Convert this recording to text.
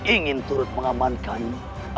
ingin turut mengamankanmu